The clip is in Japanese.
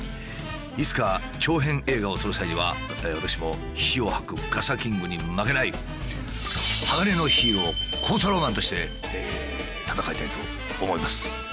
いつか長編映画を撮る際には私も火を吐くガサキングに負けない鋼のヒーローコウタローマンとして戦いたいと思います。